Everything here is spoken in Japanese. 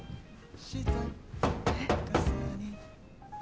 えっ？